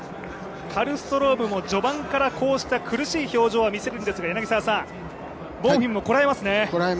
カルストロームも序盤からこうした苦しい表情を見せるんですが、ボンフィムもこらえますね。